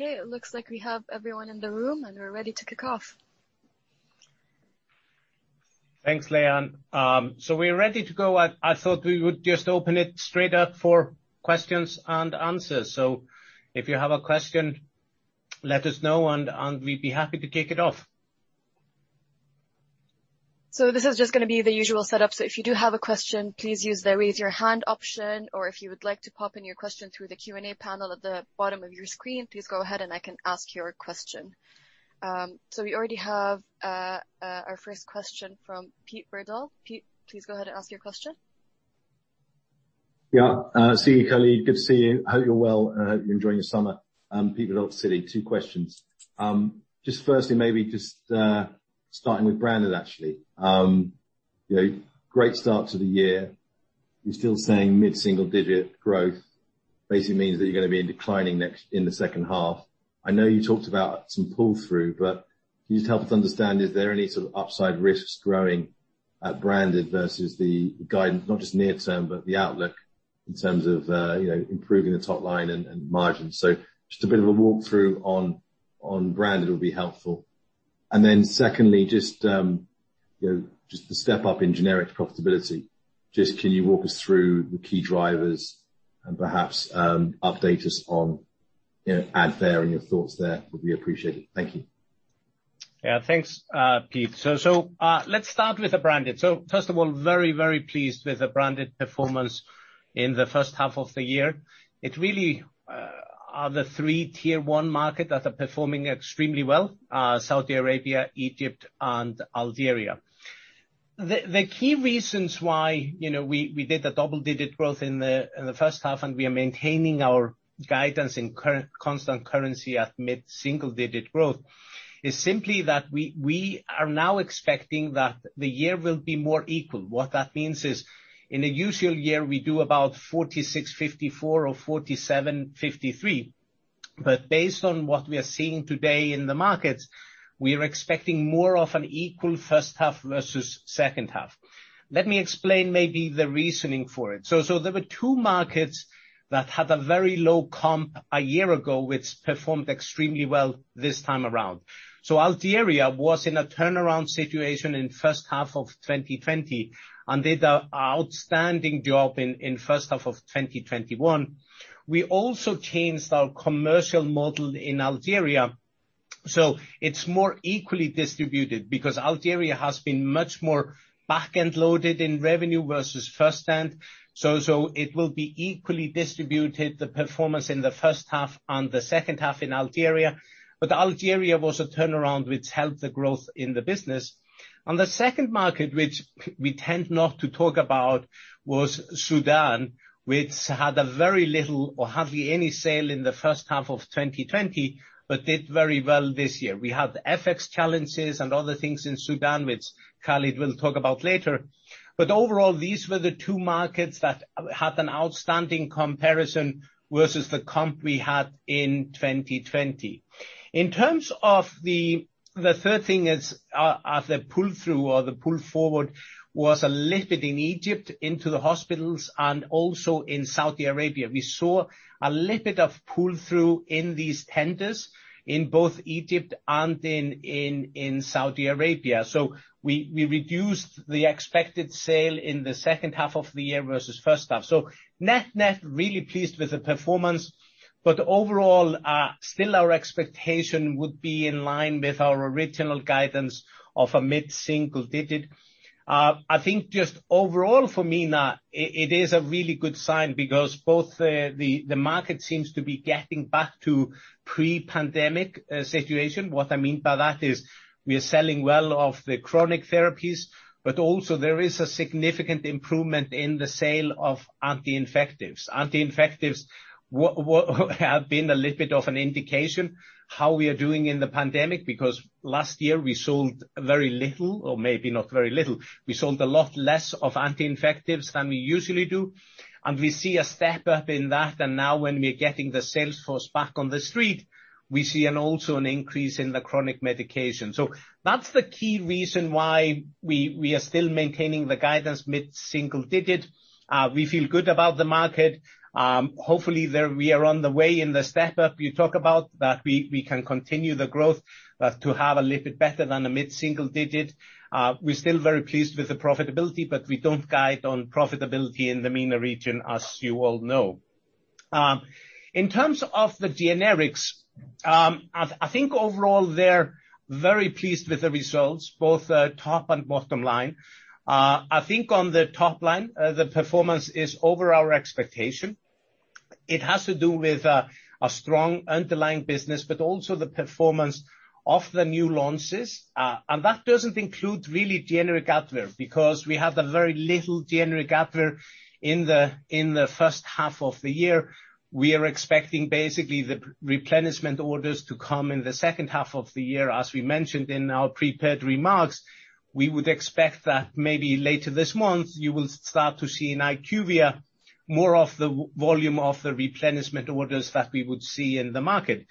Okay, it looks like we have everyone in the room and we're ready to kick off. Thanks, Leon. We're ready to go. I thought we would just open it straight up for questions and answers. If you have a question, let us know and we'd be happy to kick it off. This is just going to be the usual setup. If you do have a question, please use the raise your hand option, or if you would like to pop in your question through the Q&A panel at the bottom of your screen, please go ahead and I can ask your question. We already have our first question from Pete Verdult. Pete, please go ahead and ask your question. Yeah. Siggi, Khalid, good to see you. Hope you're well, and I hope you're enjoying your summer. Pete Verdult, Citi. Two questions. Just firstly, maybe just starting with branded, actually. Great start to the year. You're still saying mid-single digit growth. Basically means that you're going to be declining in the second half. I know you talked about some pull-through, but can you just help us understand, is there any sort of upside risks growing at branded versus the guidance, not just near term, but the outlook in terms of improving the top line and margins? Just a bit of a walkthrough on branded will be helpful. Secondly, just the step up in generic profitability. Just can you walk us through the key drivers and perhaps update us on Advair and your thoughts there would be appreciated. Thank you. Thanks, Pete. Let's start with the branded. First of all, very, very pleased with the branded performance in the first half of the year. It really are the three Tier 1 markets that are performing extremely well, Saudi Arabia, Egypt and Algeria. The key reasons why we did a double-digit growth in the first half, and we are maintaining our guidance in constant currency at mid-single digit growth, is simply that we are now expecting that the year will be more equal. What that means is, in a usual year, we do about 46/54 or 47/53. Based on what we are seeing today in the markets, we are expecting more of an equal first half versus second half. Let me explain maybe the reasoning for it. There were two markets that had a very low comp a year ago, which performed extremely well this time around. Algeria was in a turnaround situation in first half of 2020 and did an outstanding job in first half of 2021. We also changed our commercial model in Algeria, so it's more equally distributed because Algeria has been much more back-end loaded in revenue versus first half. It will be equally distributed, the performance in the first half and the second half in Algeria. Algeria was a turnaround which helped the growth in the business. The second market, which we tend not to talk about, was Sudan, which had a very little or hardly any sale in the first half of 2020, but did very well this year. We had the FX challenges and other things in Sudan, which Khalid will talk about later. Overall, these were the two markets that had an outstanding comparison versus the comp we had in 2020. In terms of the third thing is the pull-through or the pull forward was a little bit in Egypt into the hospitals and also in Saudi Arabia. We saw a little bit of pull-through in these tenders in both Egypt and in Saudi Arabia. We reduced the expected sale in the second half of the year versus first half. Net-net, really pleased with the performance, but overall, still our expectation would be in line with our original guidance of a mid-single digit. I think just overall for MENA, it is a really good sign because both the market seems to be getting back to pre-pandemic situation. What I mean by that is we are selling well of the chronic therapies, but also there is a significant improvement in the sale of anti-infectives. Anti-infectives have been a little bit of an indication how we are doing in the pandemic, because last year we sold very little, or maybe not very little. We sold a lot less of anti-infectives than we usually do. We see a step up in that. Now when we are getting the sales force back on the street, we see also an increase in the chronic medication. That's the key reason why we are still maintaining the guidance mid-single digit. We feel good about the market. Hopefully we are on the way in the step-up you talk about, that we can continue the growth, but to have a little bit better than a mid-single digit. We're still very pleased with the profitability, but we don't guide on profitability in the MENA region, as you all know. In terms of the generics, I think overall they're very pleased with the results, both top and bottom line. I think on the top line, the performance is over our expectation. It has to do with a strong underlying business, but also the performance of the new launches. That doesn't include really generic Advair, because we had a very little generic Advair in the first half of the year. We are expecting basically the replenishment orders to come in the second half of the year. As we mentioned in our prepared remarks, we would expect that maybe later this month you will start to see in IQVIA more of the volume of the replenishment orders that we would see in the market.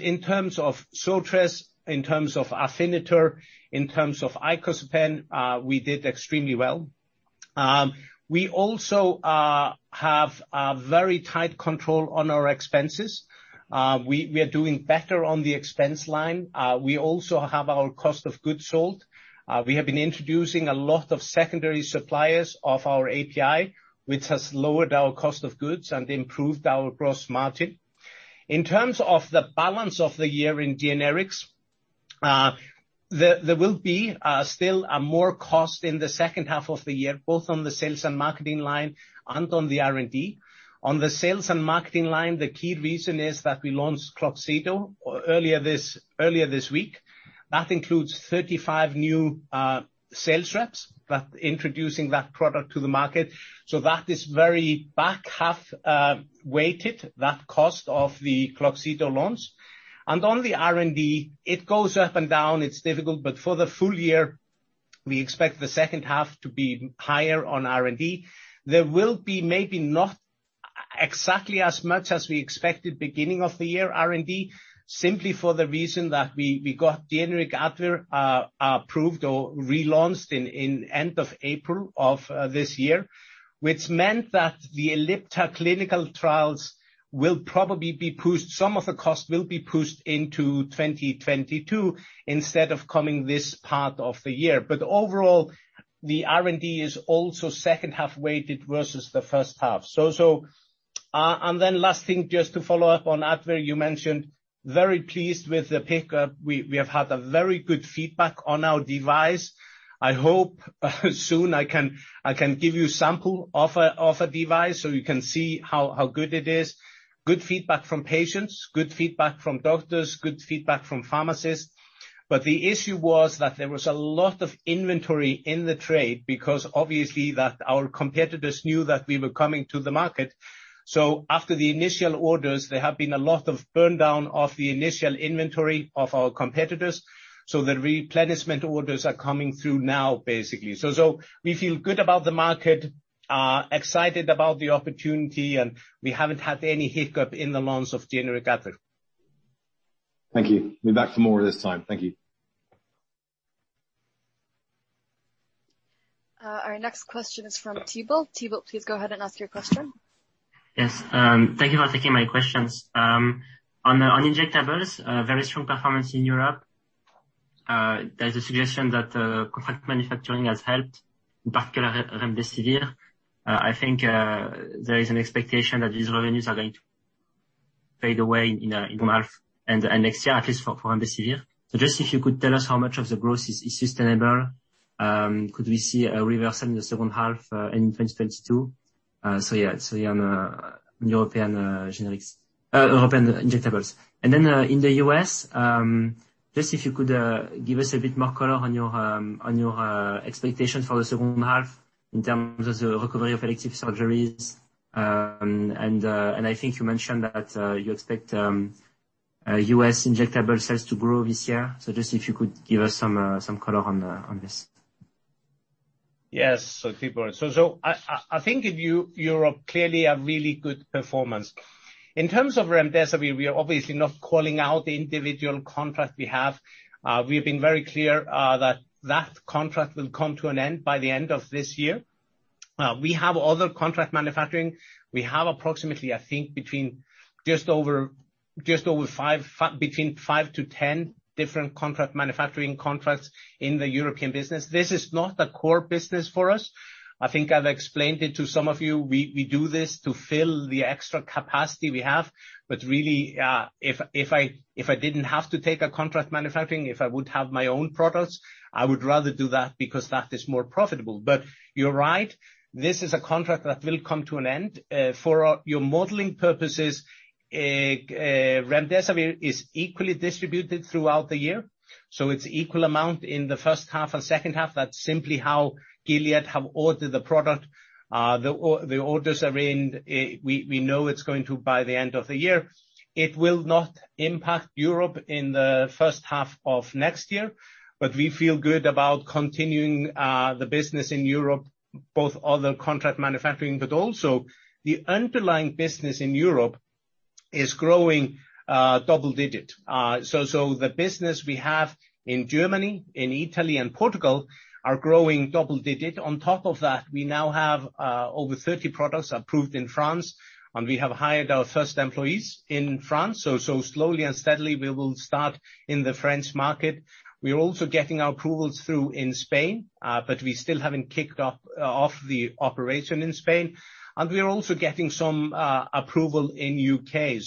In terms of Zortress, in terms of Afinitor, in terms of icosapent, we did extremely well. We also have a very tight control on our expenses. We are doing better on the expense line. We also have our cost of goods sold. We have been introducing a lot of secondary suppliers of our API, which has lowered our cost of goods and improved our gross margin. In terms of the balance of the year in generics, there will be still more cost in the second half of the year, both on the sales and marketing line and on the R&D. On the sales and marketing line, the key reason is that we launched Kloxxado earlier this week. That includes 35 new sales reps that introducing that product to the market. That is very back half weighted, that cost of the Kloxxado launch. On the R&D, it goes up and down. It's difficult, but for the full year, we expect the second half to be higher on R&D. There will be maybe not exactly as much as we expected beginning of the year R&D, simply for the reason that we got generic Advair approved or relaunched in end of April of this year, which meant that the Ellipta clinical trials will probably be pushed, some of the cost will be pushed into 2022 instead of coming this part of the year. Overall, the R&D is also second half weighted versus the first half. Last thing, just to follow up on Advair, you mentioned very pleased with the pickup. We have had a very good feedback on our device. I hope soon I can give you sample of a device so you can see how good it is. Good feedback from patients, good feedback from doctors, good feedback from pharmacists. The issue was that there was a lot of inventory in the trade because obviously our competitors knew that we were coming to the market. After the initial orders, there have been a lot of burn down of the initial inventory of our competitors. The replenishment orders are coming through now, basically. We feel good about the market, excited about the opportunity, and we haven't had any hiccup in the launch of generic Advair. Thank you. Be back for more this time. Thank you. Our next question is from Thibault. Thibault, please go ahead and ask your question. Yes. Thank you for taking my questions. On injectables, very strong performance in Europe. There's a suggestion that contract manufacturing has helped, in particular remdesivir. I think there is an expectation that these revenues are going to fade away in the second half and next year, at least for remdesivir. Just if you could tell us how much of the growth is sustainable? Could we see a reversal in the second half in 2022? Yeah, on European generics European injectables. In the U.S., just if you could give us a bit more color on your expectation for the second half in terms of the recovery of elective surgeries. I think you mentioned that you expect U.S. injectable sales to grow this year. Just if you could give us some color on this. Yes. Thibault, I think in Europe, clearly a really good performance. In terms of remdesivir, we are obviously not calling out the individual contract we have. We've been very clear that contract will come to an end by the end of this year. We have other contract manufacturing. We have approximately, I think, between 5-10 different contract manufacturing contracts in the European business. This is not a core business for us. I think I've explained it to some of you. We do this to fill the extra capacity we have. Really, if I didn't have to take a contract manufacturing, if I would have my own products, I would rather do that because that is more profitable. You're right, this is a contract that will come to an end. For your modeling purposes, remdesivir is equally distributed throughout the year, so it's equal amount in the first half and second half. That's simply how Gilead have ordered the product. The orders are in. We know it's going to by the end of the year. It will not impact Europe in the first half of next year, but we feel good about continuing the business in Europe, both other contract manufacturing, but also the underlying business in Europe is growing double digit. The business we have in Germany, in Italy, and Portugal are growing double digit. On top of that, we now have over 30 products approved in France, and we have hired our first employees in France. Slowly and steadily, we will start in the French market. We are also getting our approvals through in Spain, but we still haven't kicked off the operation in Spain. We are also getting some approval in U.K.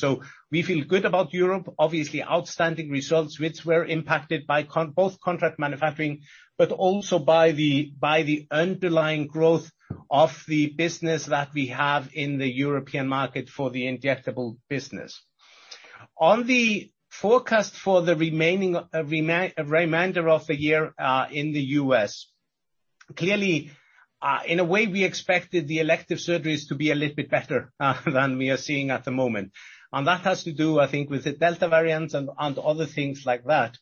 We feel good about Europe. Obviously, outstanding results, which were impacted by both contract manufacturing, but also by the underlying growth of the business that we have in the European market for the injectable business. On the forecast for the remainder of the year in the U.S., clearly, in a way we expected the elective surgeries to be a little bit better than we are seeing at the moment. That has to do, I think, with the Delta variant and other things like that.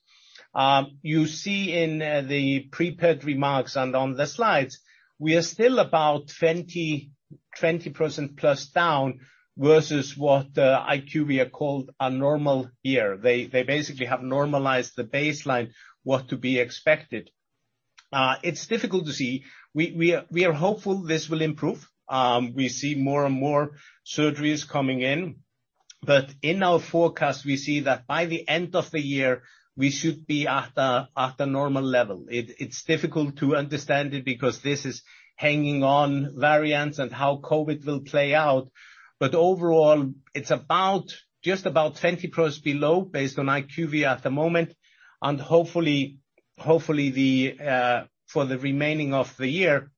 You see in the prepared remarks and on the slides, we are still about 20%+ down versus what IQVIA called a normal year. They basically have normalized the baseline, what to be expected. It's difficult to see. We are hopeful this will improve. We see more and more surgeries coming in. In our forecast, we see that by the end of the year, we should be at the normal level. It's difficult to understand it because this is hanging on variants and how COVID will play out. Overall, it's just about 20+ below, based on IQVIA at the moment. Hopefully, for the remaining of the year,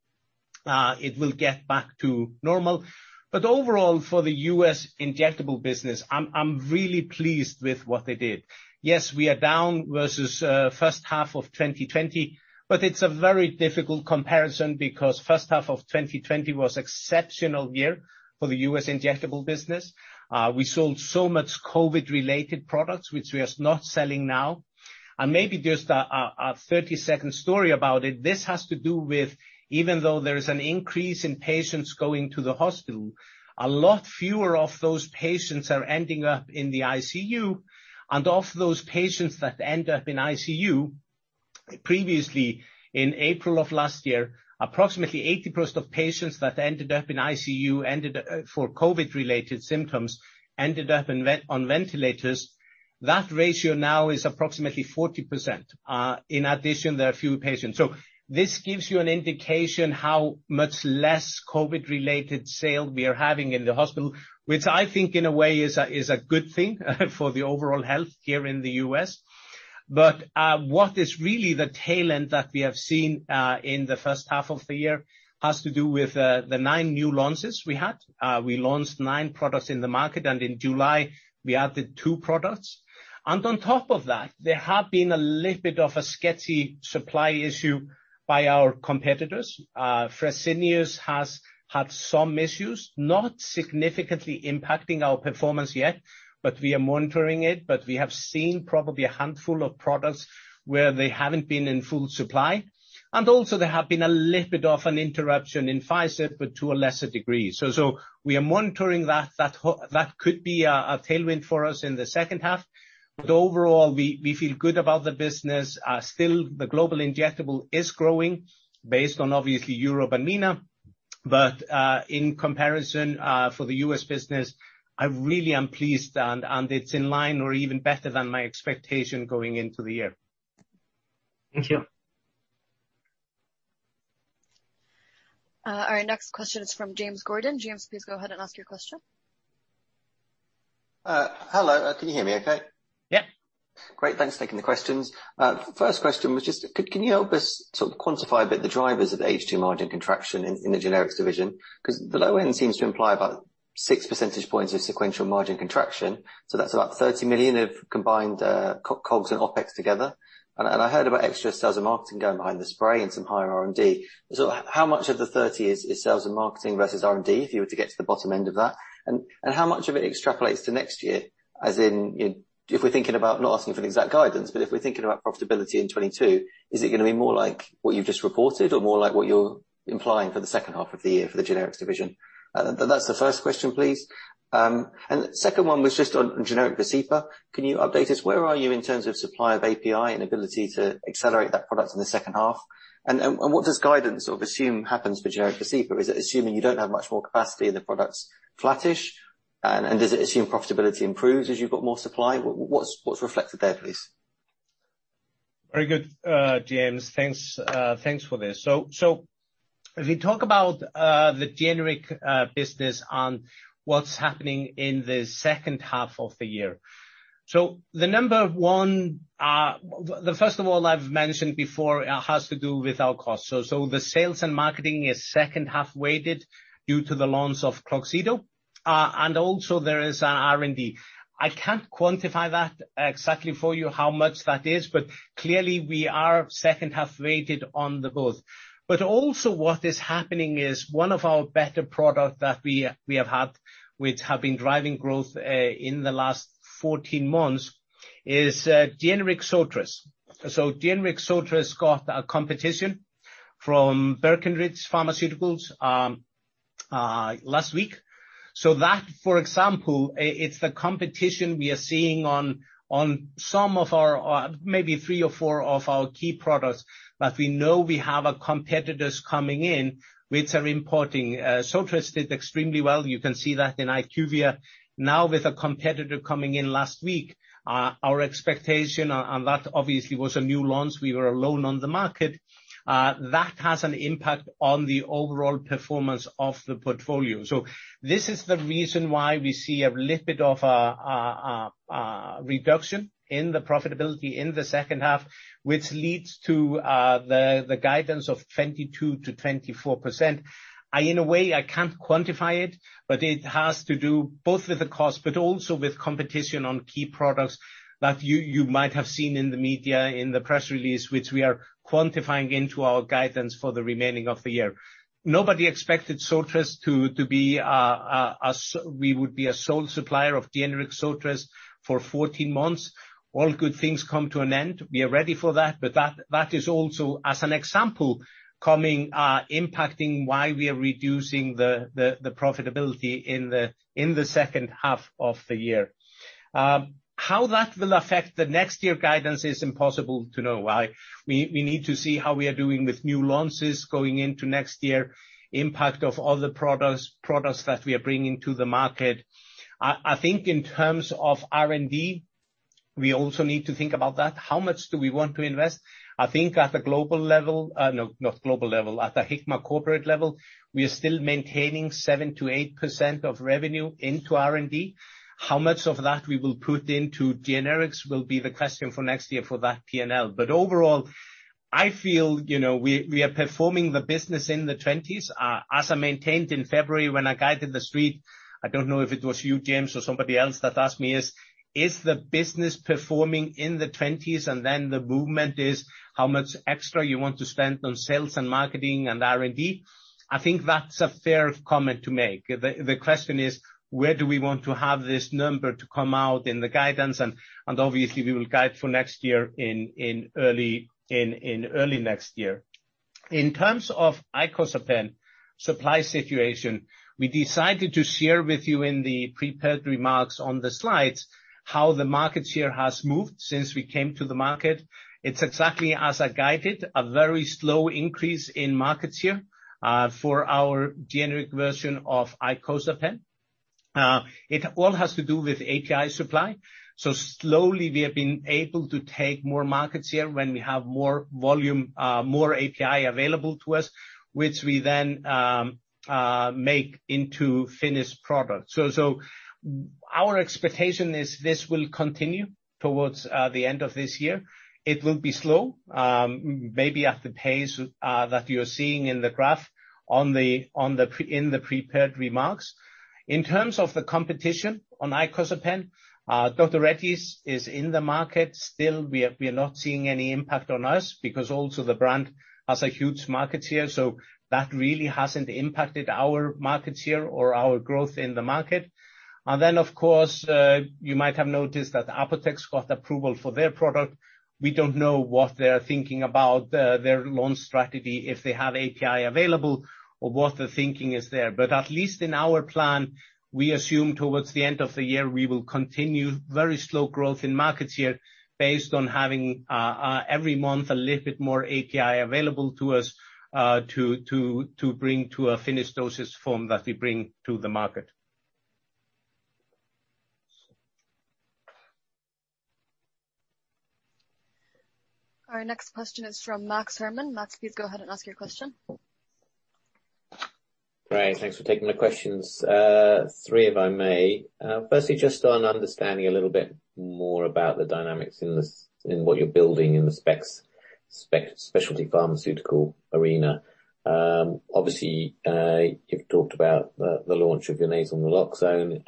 it will get back to normal. Overall, for the U.S. injectable business, I'm really pleased with what they did. Yes, we are down versus first half of 2020, but it's a very difficult comparison because first half of 2020 was exceptional year for the U.S. injectable business. We sold so much COVID-related products, which we are not selling now. Maybe just a 30-second story about it. This has to do with, even though there is an increase in patients going to the hospital, a lot fewer of those patients are ending up in the ICU, and of those patients that end up in ICU, previously in April of last year, approximately 80% of patients that ended up in ICU for COVID-related symptoms, ended up on ventilators. That ratio now is approximately 40%. In addition, there are fewer patients. This gives you an indication how much less COVID-related sale we are having in the hospital, which I think in a way is a good thing for the overall health here in the U.S. What is really the tail end that we have seen in the first half of the year has to do with the nine new launches we had. We launched nine products in the market, and in July we added two products. On top of that, there have been a little bit of a sketchy supply issue by our competitors. Fresenius has had some issues, not significantly impacting our performance yet, but we are monitoring it. We have seen probably a handful of products where they haven't been in full supply. Also there have been a little bit of an interruption in Pfizer, but to a lesser degree. We are monitoring that. That could be a tailwind for us in the second half. Overall, we feel good about the business. Still, the global injectable is growing based on obviously Europe and MENA. In comparison for the U.S. business, I really am pleased, and it's in line or even better than my expectation going into the year. Thank you. Our next question is from James Gordon. James, please go ahead and ask your question. Hello, can you hear me okay? Yeah. Great. Thanks for taking the questions. First question was just, can you help us sort of quantify a bit the drivers of H2 margin contraction in the generic division? The low end seems to imply about 6 percentage points of sequential margin contraction. That's about $30 million of combined COGS and OpEx together. I heard about extra sales and marketing going behind the spray and some higher R&D. How much of the $30 is sales and marketing versus R&D, if you were to get to the bottom end of that? How much of it extrapolates to next year, as in if we're thinking about, not asking for the exact guidance, but if we're thinking about profitability in 2022, is it going to be more like what you've just reported or more like what you're implying for the second half of the year for the generics division? That's the first question, please. Second one was just on generic Vascepa. Can you update us? Where are you in terms of supply of API and ability to accelerate that product in the second half? What does guidance sort of assume happens for generic Vascepa? Is it assuming you don't have much more capacity and the product's flattish? Does it assume profitability improves as you've got more supply? What's reflected there, please? Very good, James. Thanks for this. If we talk about the generic business and what's happening in the second half of the year. The first of all I've mentioned before has to do with our cost. The sales and marketing is second half weighted due to the launch of Kloxxado. Also there is R&D. I can't quantify that exactly for you how much that is, but clearly we are second half weighted on the both. Also what is happening is one of our better product that we have had, which have been driving growth in the last 14 months is generic Zortress. Generic Zortress got a competition from Breckenridge Pharmaceutical last week. That, for example, it's the competition we are seeing on some of our maybe three or four of our key products that we know we have a competitors coming in which are importing. Zortress did extremely well. You can see that in IQVIA. Now with a competitor coming in last week. That obviously was a new launch. We were alone on the market. That has an impact on the overall performance of the portfolio. This is the reason why we see a little bit of a reduction in the profitability in the second half, which leads to the guidance of 22%-24%. In a way, I can't quantify it, but it has to do both with the cost, but also with competition on key products that you might have seen in the media, in the press release, which we are quantifying into our guidance for the remaining of the year. Nobody expected Zortress. We would be a sole supplier of generic Zortress for 14 months. All good things come to an end. We are ready for that. That is also, as an example, coming impacting why we are reducing the profitability in the second half of the year. How that will affect the next year guidance is impossible to know. We need to see how we are doing with new launches going into next year, impact of all the products that we are bringing to the market. I think in terms of R&D, we also need to think about that. How much do we want to invest? I think at the Hikma corporate level, we are still maintaining 7%-8% of revenue into R&D. How much of that we will put into generics will be the question for next year for that P&L. Overall, I feel we are performing the business in the 20s. As I maintained in February when I guided the Street, I don't know if it was you, James, or somebody else that asked me this, is the business performing in the 20s, and then the movement is how much extra you want to spend on sales and marketing and R&D? I think that's a fair comment to make. The question is, where do we want to have this number to come out in the guidance? Obviously, we will guide for next year in early next year. In terms of icosapent supply situation, we decided to share with you in the prepared remarks on the slides how the market share has moved since we came to the market. It's exactly as I guided, a very slow increase in market share for our generic version of icosapent. It all has to do with API supply. Slowly we have been able to take more market share when we have more volume, more API available to us, which we then make into finished product. Our expectation is this will continue towards the end of this year. It will be slow, maybe at the pace that you're seeing in the graph in the prepared remarks. In terms of the competition on icosapent, Dr. Reddy's is in the market still. We are not seeing any impact on us because also the brand has a huge market share, so that really hasn't impacted our market share or our growth in the market. Of course, you might have noticed that Apotex got approval for their product. We don't know what they're thinking about their launch strategy, if they have API available or what the thinking is there. At least in our plan, we assume towards the end of the year, we will continue very slow growth in market share based on having every month a little bit more API available to us to bring to a finished doses form that we bring to the market. Our next question is from Max Herrmann. Max, please go ahead and ask your question. Great. Thanks for taking my questions. Three, if I may. Firstly, just on understanding a little bit more about the dynamics in what you're building in the specialty pharmaceutical arena. Obviously, you've talked about the launch of your nasal naloxone,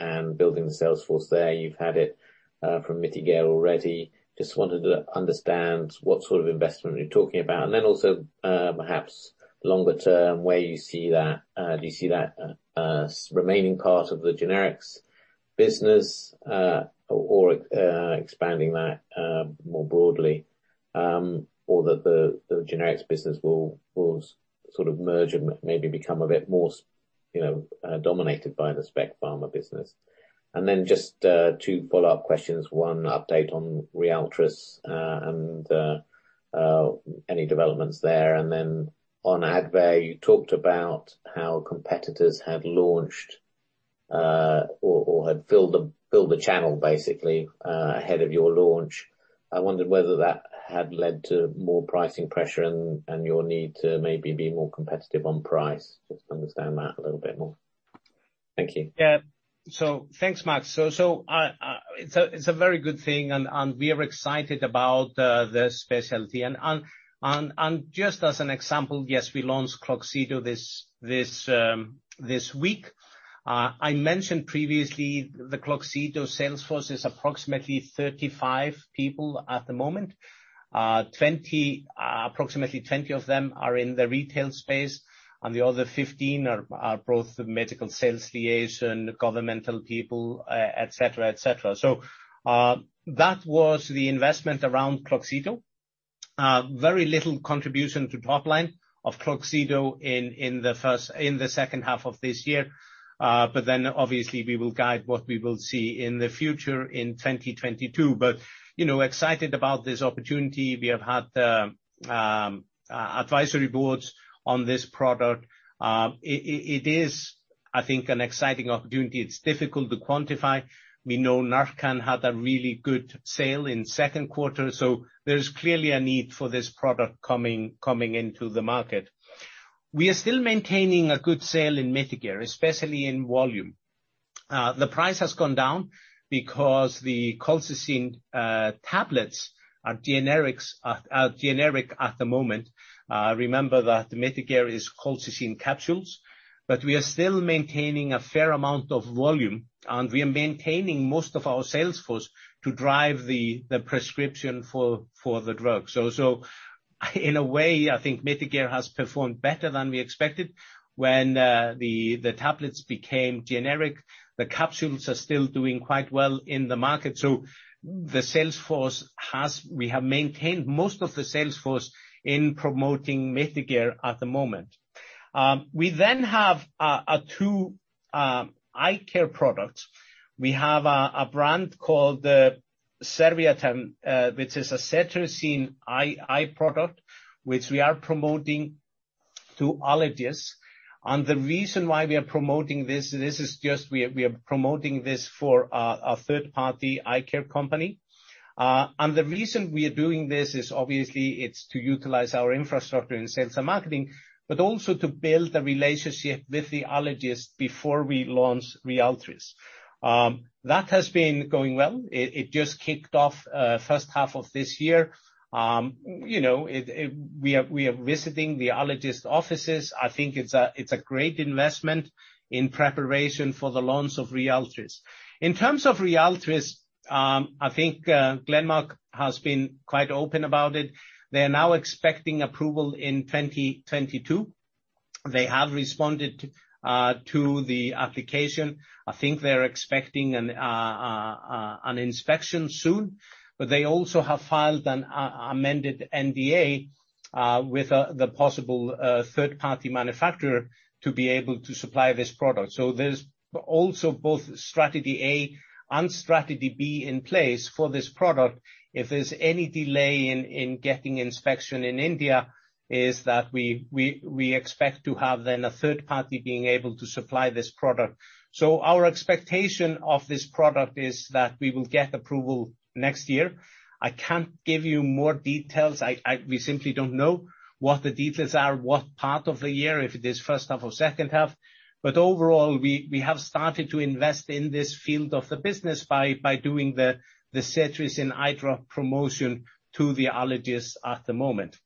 and building the sales force there. You've had it from Mitigare already. Just wanted to understand what sort of investment you're talking about. Then also, perhaps longer term, where you see that remaining part of the generics business, or expanding that more broadly, or that the generics business will sort of merge and maybe become a bit more dominated by the spec pharma business. Then just two follow-up questions. One update on Ryaltris and any developments there. Then on Advair, you talked about how competitors have launched or had built the channel basically ahead of your launch. I wondered whether that had led to more pricing pressure and your need to maybe be more competitive on price. Just to understand that a little bit more. Thank you. Thanks, Max. It's a very good thing, and we are excited about the specialty. Just as an example, yes, we launched Kloxxado this week. I mentioned previously the Kloxxado sales force is approximately 35 people at the moment. Approximately 20 of them are in the retail space, and the other 15 are both medical sales liaison, governmental people, et cetera. That was the investment around Kloxxado. Very little contribution to top line of Kloxxado in the second half of this year. Obviously we will guide what we will see in the future in 2022. Excited about this opportunity. We have had advisory boards on this product. It is, I think, an exciting opportunity. It's difficult to quantify. We know Narcan had a really good sale in second quarter, there's clearly a need for this product coming into the market. We are still maintaining a good sale in Mitigare, especially in volume. The price has gone down because the colchicine tablets are generic at the moment. Remember that Mitigare is colchicine capsules, but we are still maintaining a fair amount of volume, and we are maintaining most of our sales force to drive the prescription for the drug. In a way, I think Mitigare has performed better than we expected when the tablets became generic. The capsules are still doing quite well in the market. We have maintained most of the sales force in promoting Mitigare at the moment. We have two eye care products. We have a brand called Zerviate, which is a cetirizine eye product, which we are promoting to allergists. The reason why we are promoting this, we are promoting this for a third-party eye care company. The reason we are doing this is obviously it's to utilize our infrastructure in sales and marketing, but also to build a relationship with the allergist before we launch Ryaltris. That has been going well. It just kicked off first half of this year. We are visiting the allergist offices. I think it's a great investment in preparation for the launch of Ryaltris. In terms of Ryaltris, I think Glenmark has been quite open about it. They are now expecting approval in 2022. They have responded to the application. I think they're expecting an inspection soon, but they also have filed an amended NDA with the possible third-party manufacturer to be able to supply this product. There's also both strategy A and strategy B in place for this product. If there's any delay in getting inspection in India, is that we expect to have then a third party being able to supply this product. Our expectation of this product is that we will get approval next year. I can't give you more details. We simply don't know what the details are, what part of the year, if it is first half or second half. Overall, we have started to invest in this field of the business by doing the cetirizine eye drop promotion to the allergists at the moment.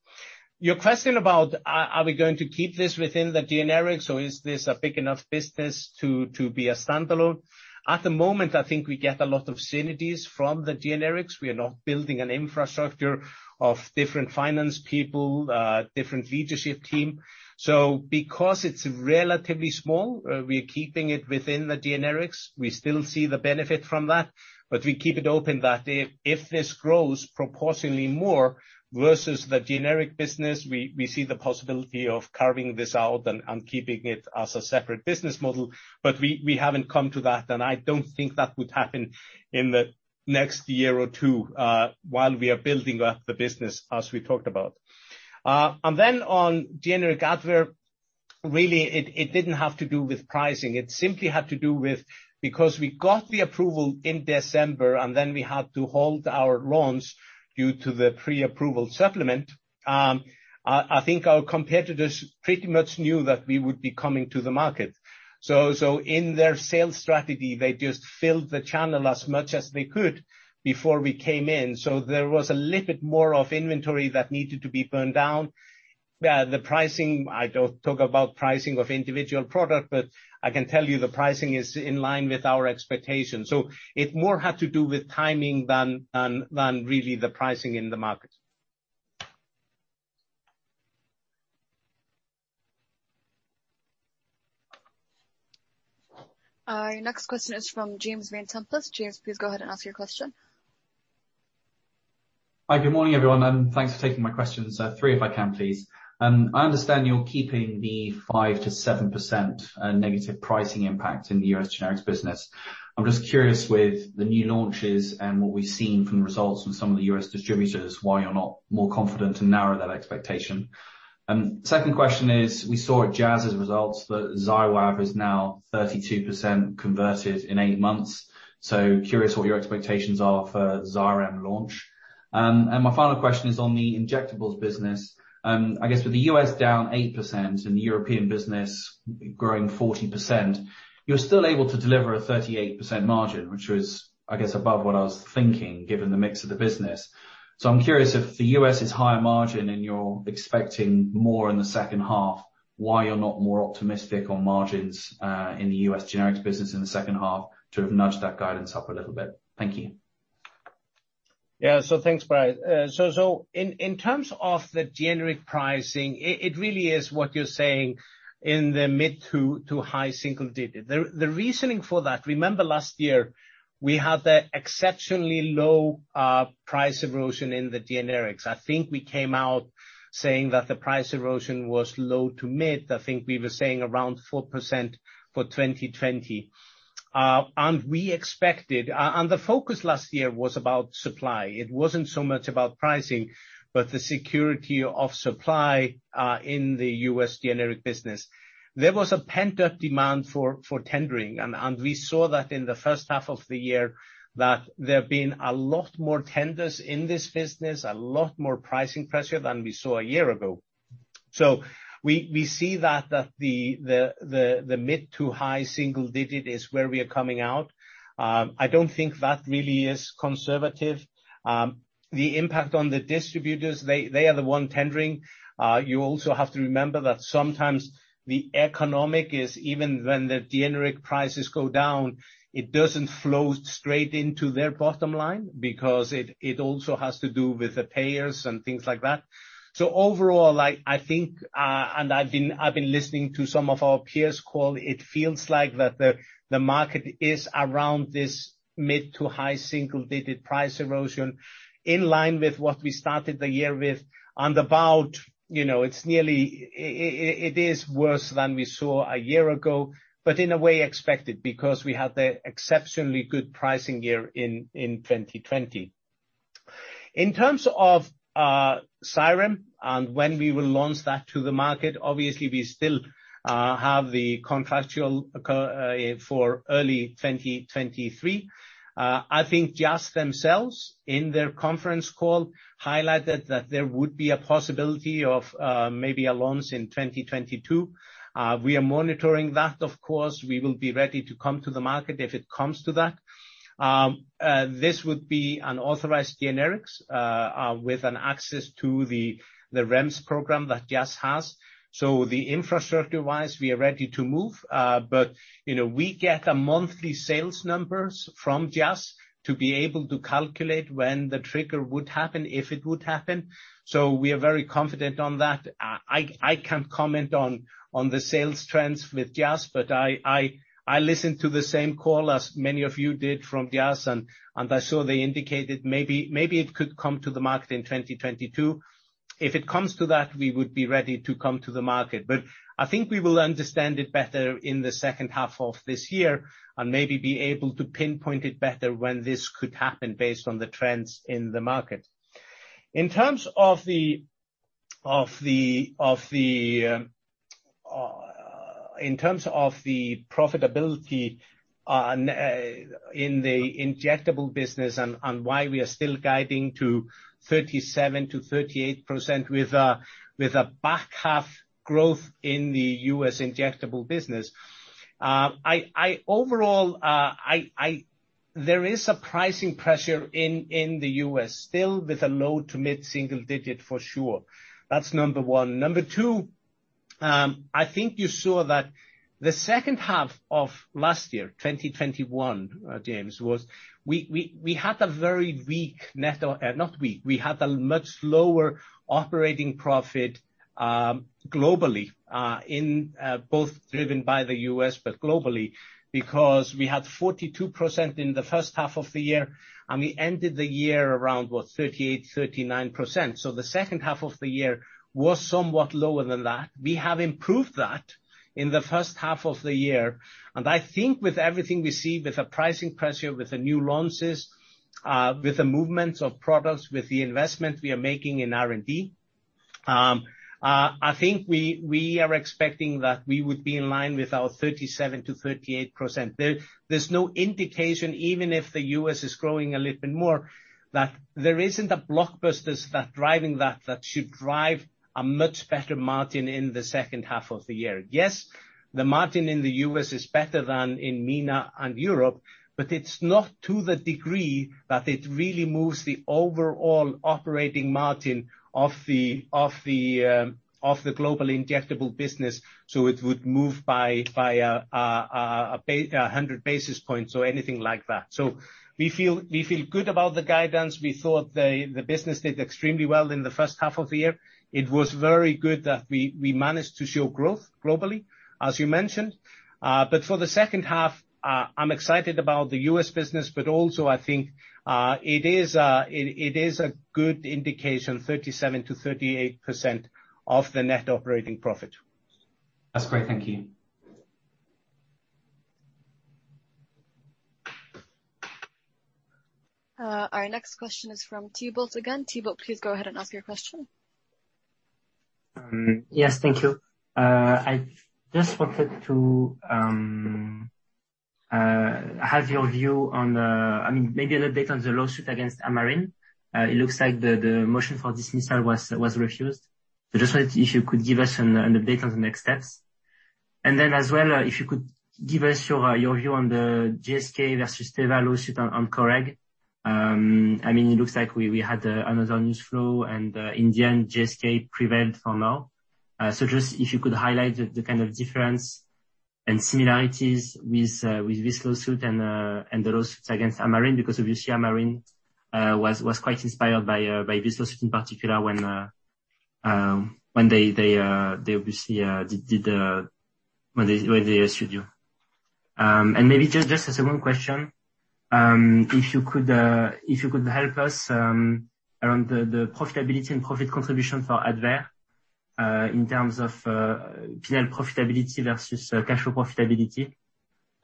Your question about are we going to keep this within the generics, or is this a big enough business to be a standalone? At the moment, I think we get a lot of synergies from the generics. We are not building an infrastructure of different finance people, different leadership team. Because it's relatively small, we're keeping it within the generics. We still see the benefit from that, but we keep it open that if this grows proportionally more versus the generic business, we see the possibility of carving this out and keeping it as a separate business model. We haven't come to that, and I don't think that would happen in the next year or two while we are building up the business as we talked about. On generic Advair, really, it didn't have to do with pricing. It simply had to do with, because we got the approval in December, and then we had to hold our launch due to the prior approval supplement. I think our competitors pretty much knew that we would be coming to the market. In their sales strategy, they just filled the channel as much as they could before we came in. There was a little bit more of inventory that needed to be burned down. The pricing, I don't talk about pricing of individual product, but I can tell you the pricing is in line with our expectations. It more had to do with timing than really the pricing in the market. Our next question is from James Vane-Tempest. James, please go ahead and ask your question. Hi, good morning, everyone, and thanks for taking my questions. Three if I can, please. I understand you're keeping the 5%-7% negative pricing impact in the U.S. generics business. I'm just curious with the new launches and what we've seen from the results from some of the U.S. distributors, why you're not more confident to narrow that expectation. Second question is, we saw at Jazz's results that Xywav is now 32% converted in eight months. Curious what your expectations are for Xyrem launch. My final question is on the injectables business. I guess with the U.S. down 8% and the European business growing 14%, you're still able to deliver a 38% margin, which was, I guess, above what I was thinking given the mix of the business. I'm curious if the U.S. is higher margin and you're expecting more in the second half, why you're not more optimistic on margins, in the U.S. generics business in the second half to have nudged that guidance up a little bit? Thank you. Thanks, James. In terms of the generic pricing, it really is what you're saying in the mid to high single-digit. The reasoning for that, remember last year, we had a exceptionally low price erosion in the generics. I think we came out saying that the price erosion was low to mid. I think we were saying around 4% for 2020. The focus last year was about supply. It wasn't so much about pricing, but the security of supply, in the U.S. generic business. There was a pent-up demand for tendering, we saw that in the first half of the year that there have been a lot more tenders in this business, a lot more pricing pressure than we saw a year ago. We see that the mid to high single-digit is where we are coming out. I don't think that really is conservative. The impact on the distributors, they are the one tendering. You also have to remember that sometimes the economic is even when the generic prices go down, it doesn't flow straight into their bottom line because it also has to do with the payers and things like that. Overall, I think, and I've been listening to some of our peers call, it feels like that the market is around this mid to high single digit price erosion in line with what we started the year with and about, it is worse than we saw a year ago, but in a way expected because we had a exceptionally good pricing year in 2020. In terms of, Xyrem and when we will launch that to the market, obviously, we still have the contractual accord for early 2023. I think just themselves in their conference call highlighted that there would be a possibility of maybe a launch in 2022. We are monitoring that, of course. We will be ready to come to the market if it comes to that. This would be an authorized generics, with an access to the REMS program that Jazz has. The infrastructure-wise, we are ready to move. We get monthly sales numbers from Jazz to be able to calculate when the trigger would happen, if it would happen. We are very confident on that. I can't comment on the sales trends with Jazz, but I listened to the same call as many of you did from Jazz, and I saw they indicated maybe it could come to the market in 2022. If it comes to that, we would be ready to come to the market. I think we will understand it better in the second half of this year and maybe be able to pinpoint it better when this could happen based on the trends in the market. In terms of the profitability in the injectable business and why we are still guiding to 37%-38% with a back half growth in the U.S. injectable business. Overall, there is a pricing pressure in the U.S. still with a low to mid-single digit for sure. That's number one. Number two, I think you saw that the second half of last year, 2021, James, we had a very weak net. We had a much lower operating profit globally, both driven by the U.S. but globally, because we had 42% in the first half of the year, and we ended the year around what? 38%-39%. The second half of the year was somewhat lower than that. We have improved that in the first half of the year, and I think with everything we see with the pricing pressure, with the new launches, with the movements of products, with the investment we are making in R&D, I think we are expecting that we would be in line with our 37%-38%. There's no indication, even if the U.S. is growing a little bit more, that there isn't the blockbusters that driving that should drive a much better margin in the second half of the year. Yes, the margin in the U.S. is better than in MENA and Europe, but it's not to the degree that it really moves the overall operating margin of the global injectable business, so it would move by 100 basis points or anything like that. We feel good about the guidance. We thought the business did extremely well in the first half of the year. It was very good that we managed to show growth globally, as you mentioned. For the second half, I'm excited about the U.S. business, but also I think it is a good indication, 37%-38% of the net operating profit. That's great. Thank you. Our next question is from Thibault again. Thibault, please go ahead and ask your question. Yes, thank you. I just wanted to have your view on, maybe a little update on the lawsuit against Amarin. It looks like the motion for dismissal was refused. Just wanted if you could give us an update on the next steps. As well, if you could give us your view on the GSK versus Teva lawsuit on Coreg. It looks like we had another news flow and in the end, GSK prevailed for now. Just if you could highlight the kind of difference and similarities with this lawsuit and the lawsuits against Amarin. Obviously Amarin was quite inspired by this lawsuit in particular when they obviously did the study. Maybe just as a one question, if you could help us around the profitability and profit contribution for Advair, in terms of P&L profitability versus cash flow profitability.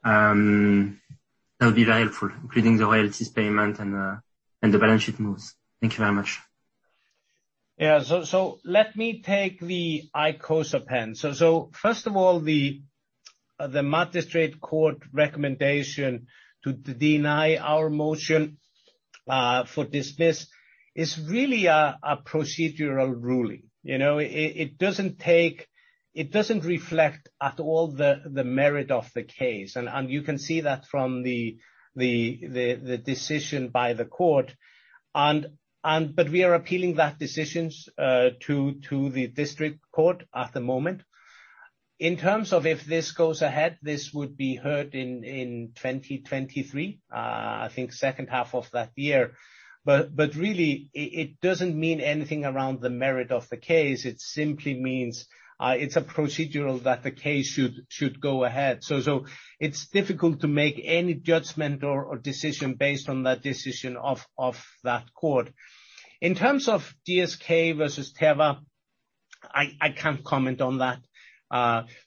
That would be very helpful, including the royalties payment and the balance sheet moves. Thank you very much. Yeah. Let me take the icosapent. First of all, the magistrate court recommendation to deny our motion for dismiss is really a procedural ruling. It doesn't reflect at all the merit of the case, and you can see that from the decision by the court. We are appealing that decisions to the district court at the moment. In terms of if this goes ahead, this would be heard in 2023, I think second half of that year. Really, it doesn't mean anything around the merit of the case. It simply means it's a procedural that the case should go ahead. It's difficult to make any judgment or decision based on that decision of that court. In terms of GSK versus Teva. I can't comment on that.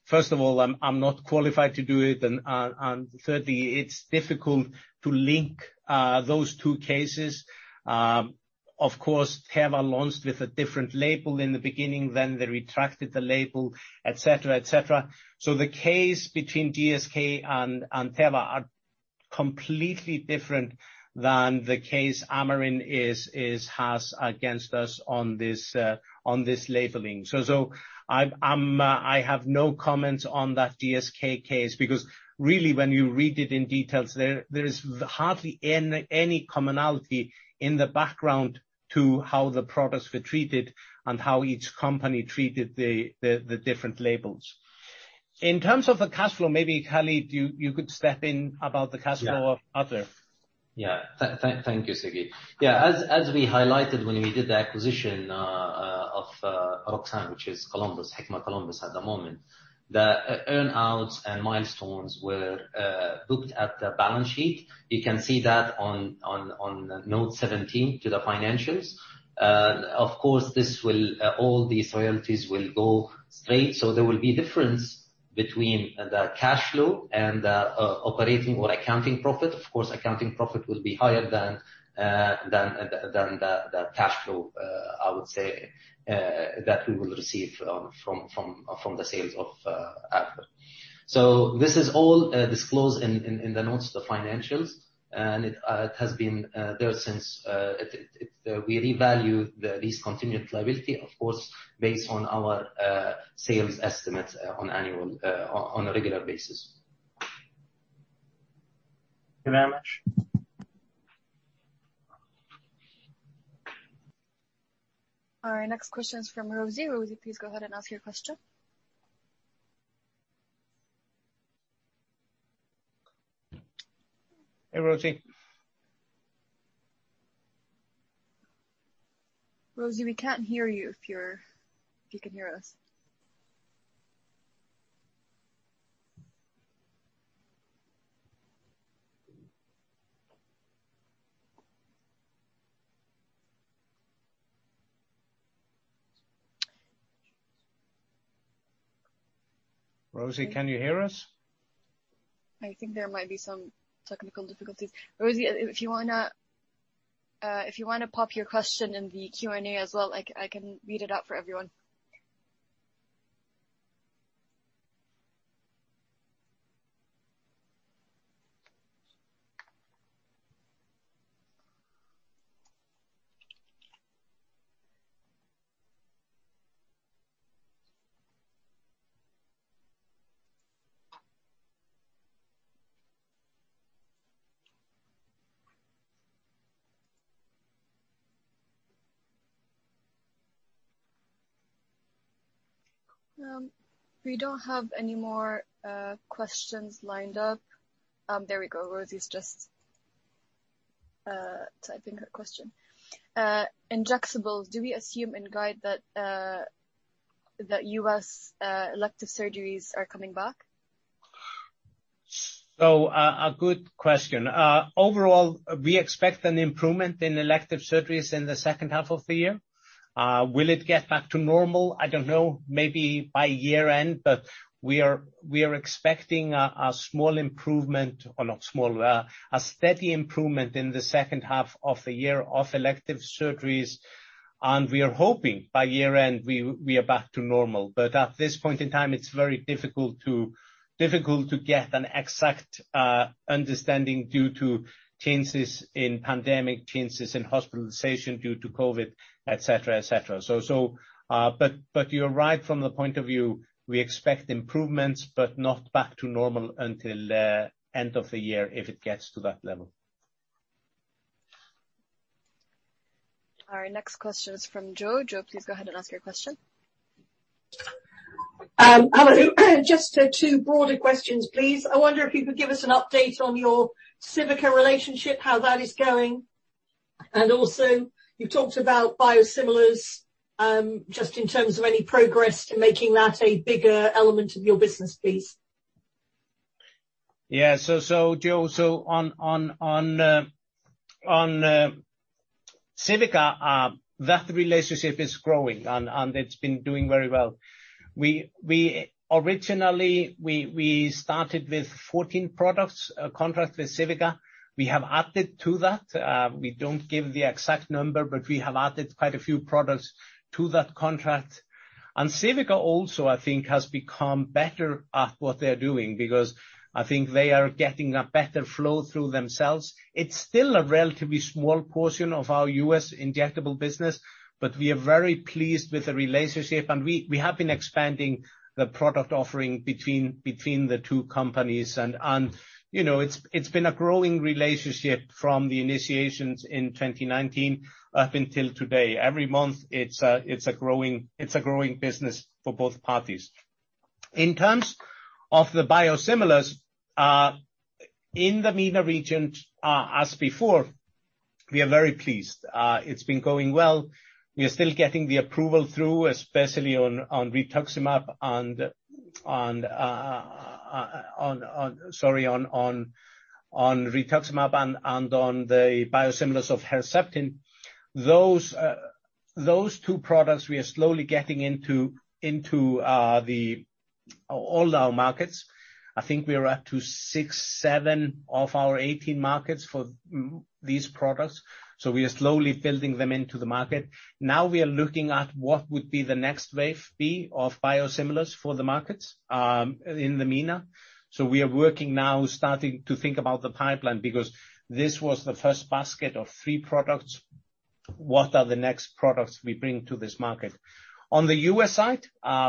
First of all, I'm not qualified to do it, and thirdly, it's difficult to link those two cases. Of course, Teva launched with a different label in the beginning, then they retracted the label, et cetera. The case between GSK and Teva are completely different than the case Amarin has against us on this labeling. I have no comments on that GSK case because really when you read it in details, there is hardly any commonality in the background to how the products were treated and how each company treated the different labels. In terms of the cash flow, maybe Khalid, you could step in about the cash flow of other. Thank you, Siggi. As we highlighted when we did the acquisition of Roxane, which is Hikma Columbus at the moment, the earn-outs and milestones were booked at the balance sheet. You can see that on note 17 to the financials. All these royalties will go straight. There will be difference between the cash flow and the operating or accounting profit. Accounting profit will be higher than the cash flow, I would say, that we will receive from the sales. This is all disclosed in the notes, the financials, and it has been there since we revalued the discounted liability based on our sales estimates on a regular basis. Thank you very much. All right, next question is from Rosie. Rosie, please go ahead and ask your question. Hey, Rosie. Rosie, we can't hear you, if you can hear us. Rosie, can you hear us? I think there might be some technical difficulties. Rosie, if you want to pop your question in the Q&A as well, I can read it out for everyone. We don't have any more questions lined up. There we go. Rosie's just typing her question: Injectables, do we assume in guide that U.S. elective surgeries are coming back? A good question. Overall, we expect an improvement in elective surgeries in the second half of the year. Will it get back to normal? I don't know. Maybe by year-end, we are expecting a steady improvement in the second half of the year of elective surgeries, and we are hoping by year-end, we are back to normal. At this point in time, it's very difficult to get an exact understanding due to changes in pandemic, changes in hospitalization due to COVID, et cetera. You are right from the point of view, we expect improvements, but not back to normal until end of the year, if it gets to that level. All right, next question is from Jo. Jo, please go ahead and ask your question. Amarin, just two broader questions, please. I wonder if you could give us an update on your Civica relationship, how that is going. Also, you talked about biosimilars, just in terms of any progress in making that a bigger element of your business, please. Jo, on Civica, that relationship is growing, and it's been doing very well. Originally, we started with 14 products contract with Civica. We have added to that. We don't give the exact number, but we have added quite a few products to that contract. Civica also, I think, has become better at what they're doing because I think they are getting a better flow through themselves. It's still a relatively small portion of our U.S. injectable business, but we are very pleased with the relationship, and we have been expanding the product offering between the two companies. It's been a growing relationship from the initiations in 2019 up until today. Every month, it's a growing business for both parties. In terms of the biosimilars, in the MENA region, as before, we are very pleased. It's been going well. We are still getting the approval through, especially on rituximab and on the biosimilars of Herceptin. Those two products we are slowly getting into all our markets. I think we are up to six, seven of our 18 markets for these products. We are slowly building them into the market. Now we are looking at what would be the next wave of biosimilars for the markets in the MENA. We are working now starting to think about the pipeline, because this was the first basket of 3 products. What are the next products we bring to this market? On the U.S. side,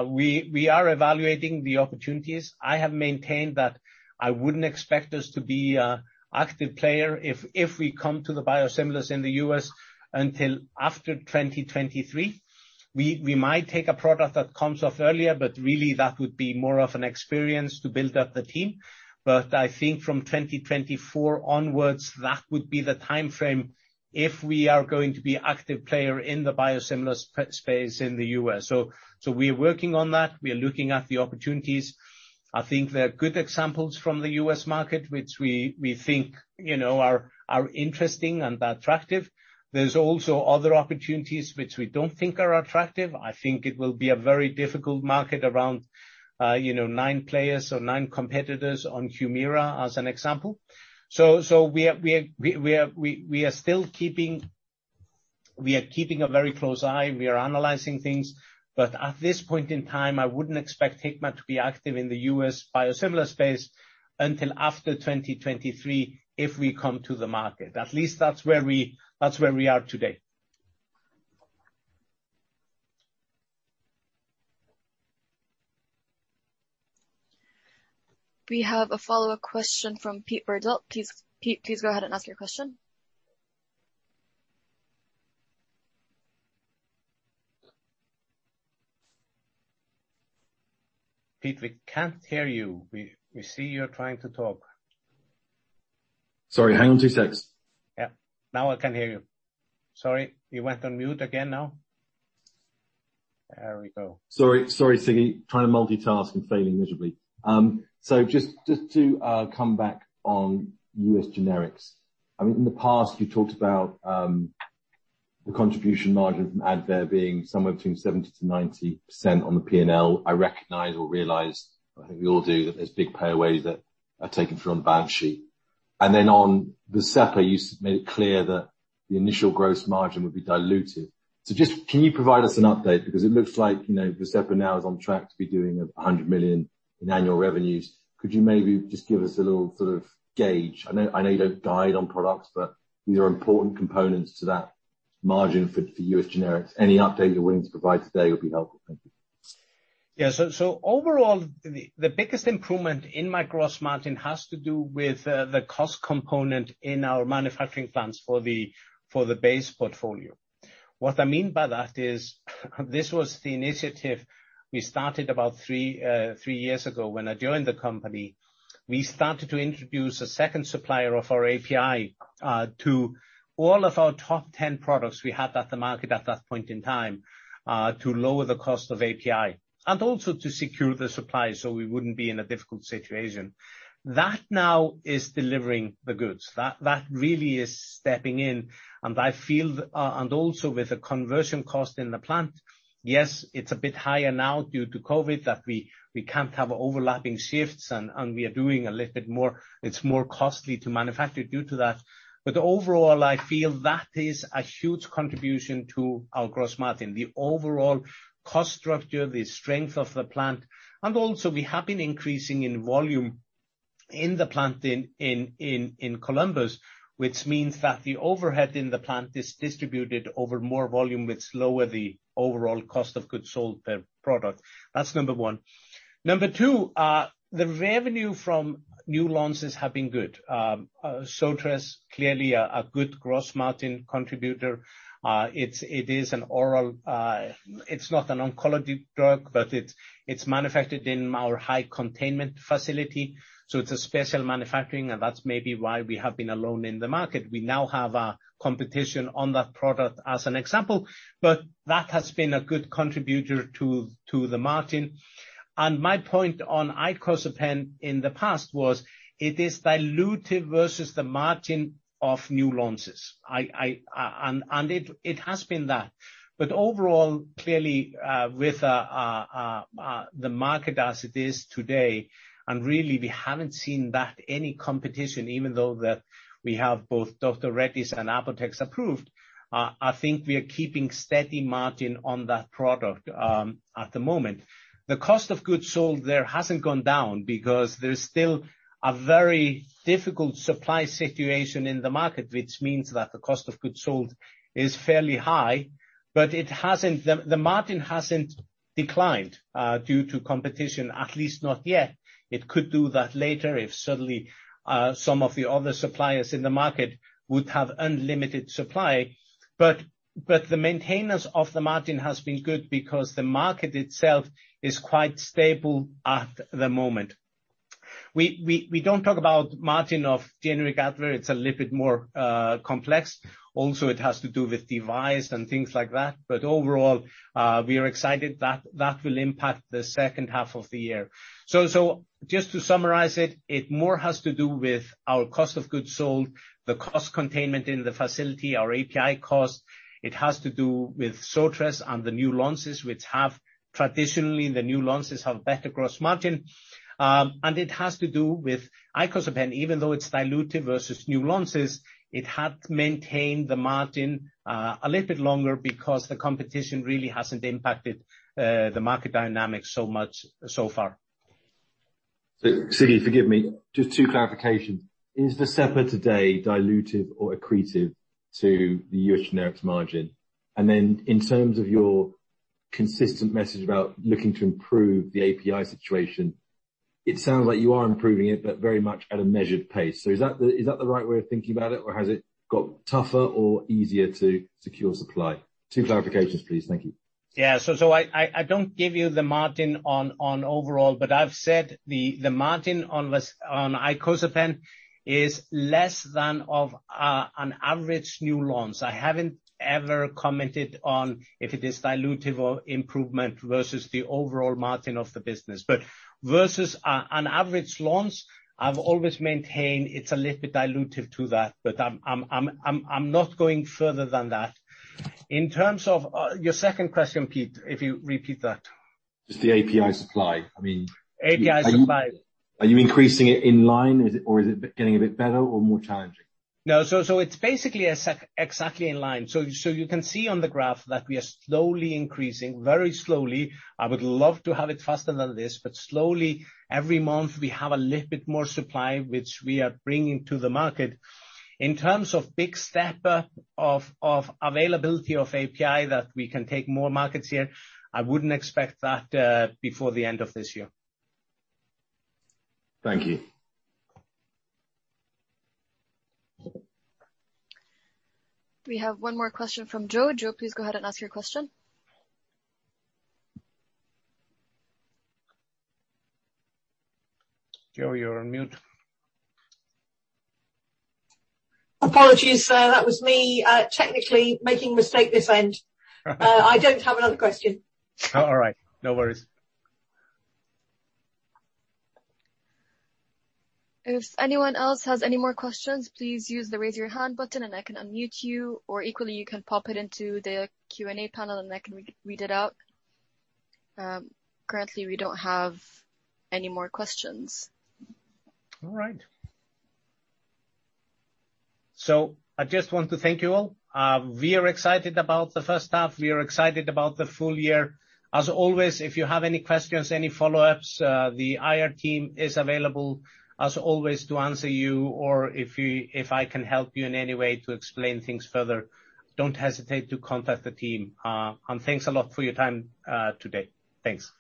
we are evaluating the opportunities. I have maintained that I wouldn't expect us to be a active player if we come to the biosimilars in the U.S. until after 2023. We might take a product that comes off earlier, really that would be more of an experience to build up the team. I think from 2024 onwards, that would be the timeframe if we are going to be active player in the U.S. So, we are working on that. We are looking at the opportunities. I think there are good examples from the U.S. market, which we think are interesting and are attractive. There's also other opportunities which we don't think are attractive. I think it will be a very difficult market around nine players or nine competitors on Humira as an example. We are keeping a very close eye. We are analyzing things. But at this point in time, I wouldn't expect Hikma to be active in the U.S. biosimilar space until after 2023 if we come to the market. At least that's where we are today. We have a follow-up question from Pete Verdult. Pete, please go ahead and ask your question. Pete, we can't hear you. We see you're trying to talk. Sorry, hang on two secs. Yeah, now I can hear you. Sorry, you went on mute again now. There we go. Sorry, Siggi. Trying to multitask and failing miserably. Just to come back on U.S. generics. In the past you talked about the contribution margin from Advair being somewhere between 70%-90% on the P&L. I recognize or realize, I think we all do, that there's big payaways that are taken from the balance sheet. On Vascepa, you made it clear that the initial gross margin would be diluted. Just can you provide us an update? It looks like Vascepa now is on track to be doing $100 million in annual revenues. Could you maybe just give us a little sort of gauge? I know you don't guide on products, but these are important components to that margin for U.S. generics. Any update you're willing to provide today would be helpful. Thank you. Overall, the biggest improvement in my gross margin has to do with the cost component in our manufacturing plants for the base portfolio. What I mean by that is, this was the initiative we started about three years ago when I joined the company. We started to introduce a second supplier of our API, to all of our top 10 products we had at the market at that point in time, to lower the cost of API and also to secure the supply so we wouldn't be in a difficult situation. That now is delivering the goods. That really is stepping in and also with the conversion cost in the plant, yes, it's a bit higher now due to COVID that we can't have overlapping shifts and we are doing a little bit more It's more costly to manufacture due to that. Overall, I feel that is a huge contribution to our gross margin, the overall cost structure, the strength of the plant. Also we have been increasing in volume in the plant in Columbus, which means that the overhead in the plant is distributed over more volume, which lower the overall cost of goods sold per product. That's number one. Number two, the revenue from new launches have been good. Zortress, clearly a good gross margin contributor. It's not an oncology drug, it's manufactured in our high containment facility, it's a special manufacturing, and that's maybe why we have been alone in the market. We now have a competition on that product as an example, that has been a good contributor to the margin. My point on icosapent in the past was it is dilutive versus the margin of new launches. It has been that. Overall, clearly, with the market as it is today, and really we haven't seen that any competition, even though that we have both Dr. Reddy's and Apotex approved, I think we are keeping steady margin on that product at the moment. The cost of goods sold there hasn't gone down because there is still a very difficult supply situation in the market, which means that the cost of goods sold is fairly high, but the margin hasn't declined, due to competition, at least not yet. It could do that later if suddenly some of the other suppliers in the market would have unlimited supply. The maintenance of the margin has been good because the market itself is quite stable at the moment. We don't talk about margin of generic Advair. It's a little bit more complex. It has to do with device and things like that. Overall, we are excited that will impact the second half of the year. Just to summarize it more has to do with our cost of goods sold, the cost containment in the facility, our API cost. It has to do with Zortress and the new launches, which have traditionally, the new launches have better gross margin. It has to do with icosapent, even though it's dilutive versus new launches, it had maintained the margin a little bit longer because the competition really hasn't impacted the market dynamics so much so far. Siggi, forgive me, just two clarifications. Is Vascepa today dilutive or accretive to the U.S. generics margin? Then in terms of your consistent message about looking to improve the API situation, it sounds like you are improving it, but very much at a measured pace. Is that the right way of thinking about it, or has it got tougher or easier to secure supply? Two clarifications, please. Thank you. Yeah. I don't give you the margin on overall, but I've said the margin on icosapent is less than of an average new launch. I haven't ever commented on if it is dilutive or improvement versus the overall margin of the business. Versus an average launch, I've always maintained it's a little bit dilutive to that, but I'm not going further than that. In terms of your second question, Pete, if you repeat that. Just the API supply. API supply Are you increasing it in line? Is it getting a bit better or more challenging? No, it's basically exactly in line. You can see on the graph that we are slowly increasing, very slowly. I would love to have it faster than this, but slowly, every month, we have a little bit more supply, which we are bringing to the market. In terms of big step of availability of API that we can take more markets here, I wouldn't expect that before the end of this year. Thank you. We have one more question from Jo. Jo, please go ahead and ask your question. Jo, you're on mute. Apologies. That was me technically making mistake this end. I don't have another question. All right. No worries. If anyone else has any more questions, please use the raise your hand button and I can unmute you. Equally, you can pop it into the Q&A panel and I can read it out. Currently, we don't have any more questions. All right. I just want to thank you all. We are excited about the first half. We are excited about the full year. As always, if you have any questions, any follow-ups, the IR team is available as always to answer you. If I can help you in any way to explain things further, don't hesitate to contact the team. Thanks a lot for your time today. Thanks.